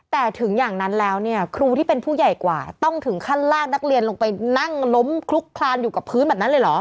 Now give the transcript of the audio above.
แต่ถึงอย่างนั้นแล้วเนี่ยครูที่เป็นผู้ใหญ่กว่าต้องถึงขั้นลากนักเรียนลงไปนั่งล้มคลุกคลานอยู่กับพื้นแบบนั้นเลยเหรอ